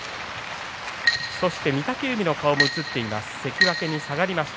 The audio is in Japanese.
御嶽海の顔も映っています。